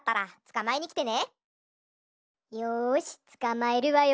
よしつかまえるわよ。